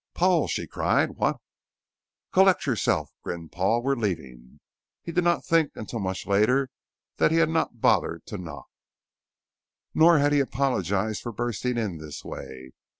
"Paul!" she cried. "What ?" "Collect yourself," grinned Paul. "We're leaving." He did not think until much later that he had not bothered to knock, nor had he apologized for bursting in this way.